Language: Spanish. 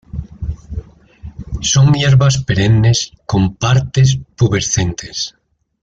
Son hierbas perennes con partes pubescentes.